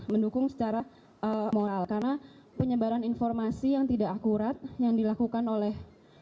mendukung secara moral karena penyebaran informasi yang tidak akurat yang dilakukan oleh